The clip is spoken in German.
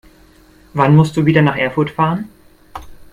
Wann musst du wieder nach Erfurt fahren?